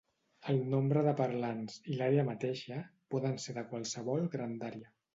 El nombre de parlants, i l'àrea mateixa, poden ser de qualsevol grandària.